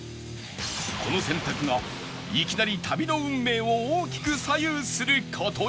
この選択がいきなり旅の運命を大きく左右する事に